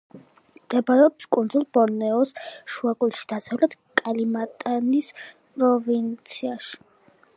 მდებარეობს კუნძლ ბორნეოს შუაგულში, დასავლეთ კალიმანტანის პროვინციაში.